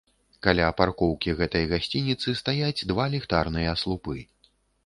Каля паркоўкі гэтай гасцініцы стаяць два ліхтарныя слупы.